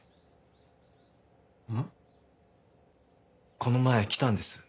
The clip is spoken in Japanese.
この前来たんです